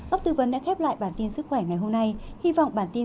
ước tư vấn đã khép lại bản tin sức khỏe của bộ y tế